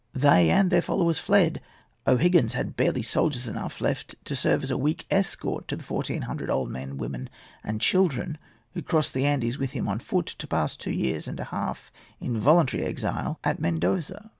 They and their followers fled. O'Higgins had barely soldiers enough left to serve as a weak escort to the fourteen hundred old men, women, and children who crossed the Andes with him on foot, to pass two years and a half in voluntary exile at Mendoza.